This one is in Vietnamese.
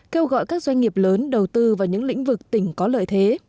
kêu gọi các doanh nghiệp lớn đầu tư vào những lĩnh vực tỉnh có lợi thế